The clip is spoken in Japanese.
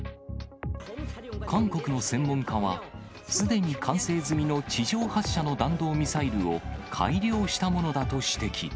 韓国の専門家は、すでに完成済みの地上発射の弾道ミサイルを、改良したものだと指摘。